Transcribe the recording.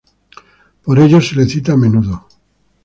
Por ello se le cita a menudo.